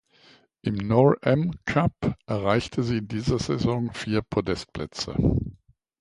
Im Nor-Am Cup erreichte sie in dieser Saison vier Podestplätze.